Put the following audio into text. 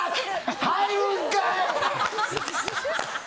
入るんかい！